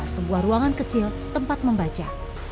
sebuah ruangan kecil tempat membaca